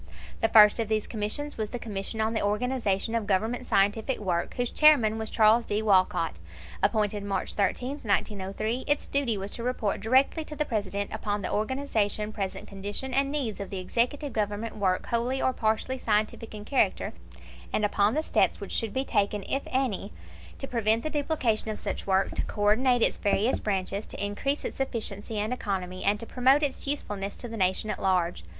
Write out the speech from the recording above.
The first of these Commissions was the Commission on the Organization of Government Scientific Work, whose Chairman was Charles D. Walcott. Appointed March 13, 1903, its duty was to report directly to the President "upon the organization, present condition, and needs of the Executive Government work wholly or partly scientific in character, and upon the steps which should be taken, if any, to prevent the duplication of such work, to co ordinate its various branches, to increase its efficiency and economy, and to promote its usefulness to the Nation at large."